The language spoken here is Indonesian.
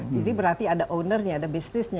berarti ada ownernya ada bisnisnya